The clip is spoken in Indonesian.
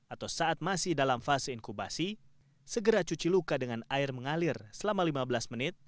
atau saat masih dalam fase inkubasi segera cuci luka dengan air mengalir selama lima belas menit